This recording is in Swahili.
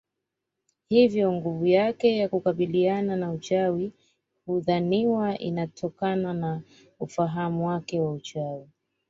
Hivyo nguvu yake ya kukabiliana na uchawi hudhaniwa inatokana na ufahamu wake wa uchawi